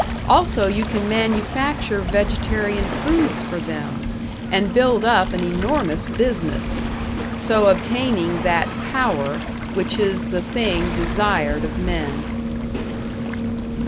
Also you can manufacture vegetarian foods for them, and build up an enormous business so obtaining that Power which is the thing desired of men.